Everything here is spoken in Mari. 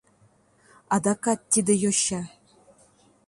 АДАКАТ ТИДЕ ЙОЧА!